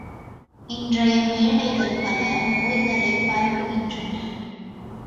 இன்றைய மேடைகள் பல நோய்களைப் பரப்புகின்றன.